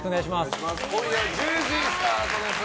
今夜１０時スタートです。